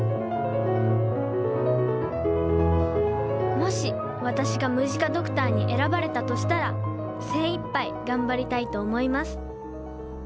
もし私がムジカドクターに選ばれたとしたら精いっぱい頑張りたいと思います